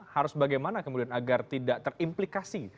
harus bagaimana kemudian agar tidak terimplikasi